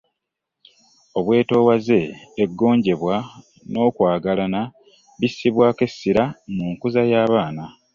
Obwetoowaze, eggonjebwa n’ okwagalana bissibwako essira mu nkuza y’abaana.